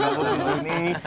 udah ngomong disini